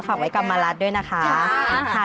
ฝากไว้กับมะลัดด้วยนะคะคะด้วยนะคะครับโอเค